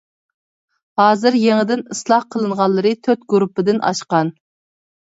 ھازىر يېڭىدىن ئىسلاھ قىلىنغانلىرى تۆت گۇرۇپپىدىن ئاشقان.